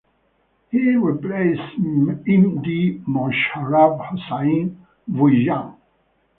He replaced Md Mosharraf Hossain Bhuiyan.